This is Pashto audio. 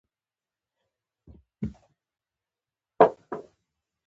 حسېن بلاڼي یو اغېزمن بېټسمېن وو.